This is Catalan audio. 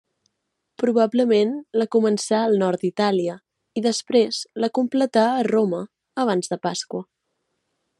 Probablement la començà al nord d'Itàlia i després la completà a Roma abans de Pasqua.